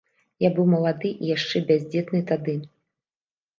Я быў малады і яшчэ бяздзетны тады.